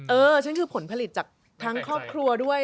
เออฉันคือผลผลิตจากทั้งครอบครัวด้วย